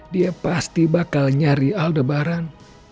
dia pasti bakal nyari aldebaran